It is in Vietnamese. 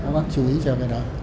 bác chú ý cho cái đó